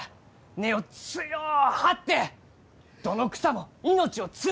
根を強う張ってどの草も命をつないでいく！